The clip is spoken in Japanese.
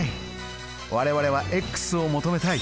我々はを求めたい。